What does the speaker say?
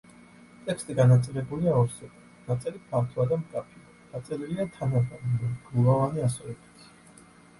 ტექსტი განაწილებულია ორ სვეტად, ნაწერი ფართოა და მკაფიო, დაწერილია თანაბარი მრგლოვანი ასოებით.